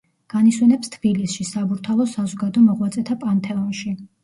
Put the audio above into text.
განისვენებს თბილისში, საბურთალოს საზოგადო მოღვაწეთა პანთეონში.